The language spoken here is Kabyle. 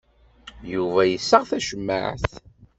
Yuba yessaɣ tacemmaɛt.